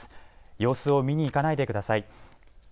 様子を見に行かないでください。